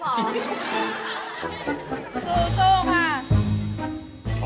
อย่าลืมกินตังเม้ด้วยนะ